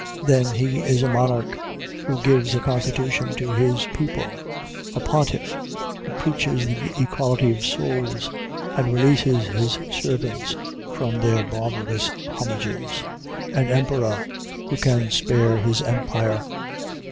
Then he is a monarch who gives a constitution to his people; a pontiff who preaches the equality of souls, and releases his servants from their barbarous homages; an emperor who can spare his empire.